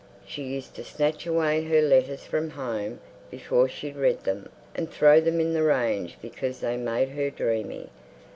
She used to snatch away her letters from home before she'd read them, and throw them in the range because they made her dreamy....